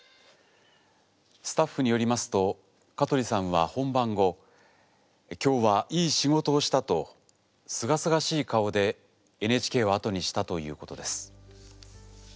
スタッフによりますと香取さんは本番後「今日はいい仕事をした」とすがすがしい顔でＮＨＫを後にしたということです。